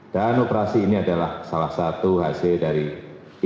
dan operasi ini adalah salah satu hasil dari indonesia